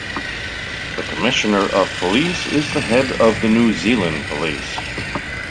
The Commissioner of Police is the head of the New Zealand Police.